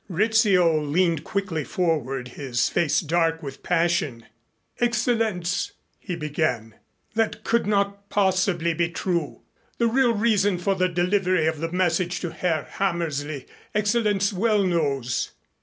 Rizzio leaned quickly forward, his face dark with passion. "Excellenz," he began, "that could not possibly be true. The real reason for the delivery of the message to Herr Hammersley Excellenz well knows.